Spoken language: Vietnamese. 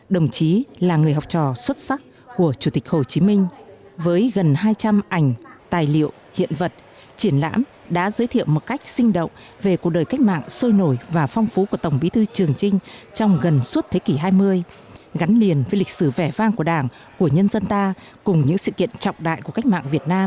đồng chí là người học trò xuất sắc của chủ tịch hồ chí minh với gần hai trăm linh ảnh tài liệu hiện vật triển lãm đã giới thiệu một cách sinh động về cuộc đời cách mạng sôi nổi và phong phú của tổng bí thư trường trinh trong gần suốt thế kỷ hai mươi gắn liền với lịch sử vẻ vang của đảng của nhân dân ta cùng những sự kiện trọng đại của cách mạng việt nam